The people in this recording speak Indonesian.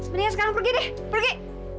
mendingan sekarang pergi deh pergi